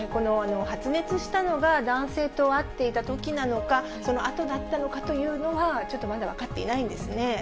発熱したのが男性と会っていたときなのか、そのあとだったのかというのはちょっとまだ分かっていないんですね。